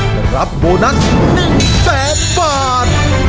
จะรับโบนัส๑แสนบาท